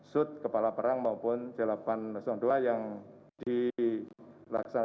sud kepala perang maupun c delapan ratus dua yang dilaksanakan oleh dua puluh satu kri yang berada di laut sekarang ini